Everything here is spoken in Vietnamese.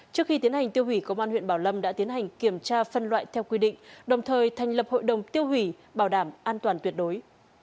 trước khi tiến hành tiêu hủy công an huyện bảo lâm đã tiến hành kiểm tra phân loại theo quy định đồng thời thành lập hội đồng tiêu hủy bảo đảm an toàn tuyệt đối